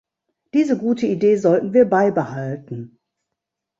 Diese gute Idee sollten wir beibehalten!